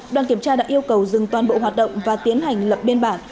đoàn kiểm tra đã yêu cầu dừng toàn bộ hoạt động và tiến hành lập biên bản